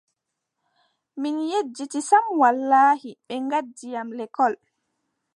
Mi yedditi sam wallaahi, ɓe ngaddi am lekkol.